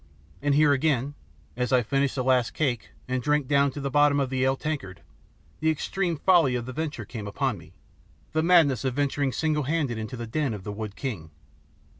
And here again, as I finished the last cake and drank down to the bottom of the ale tankard, the extreme folly of the venture came upon me, the madness of venturing single handed into the den of the Wood King.